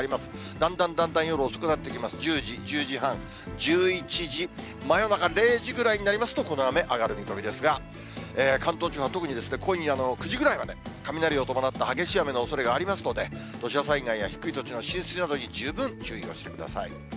だんだんだんだん夜遅くなってきます、１０時、１０時半、１１時、真夜中０時くらいになりますと、この雨、上がる見込みですが、関東地方は特に今夜の９時ぐらいまで、雷を伴った激しい雨のおそれがありますので、土砂災害や低い土地の浸水などに十分注意をしてください。